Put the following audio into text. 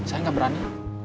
saya gak berani